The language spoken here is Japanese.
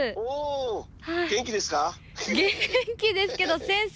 元気ですけど先生！